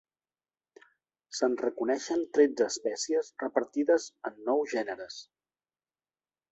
Se'n reconeixen tretze espècies repartides en nou gèneres.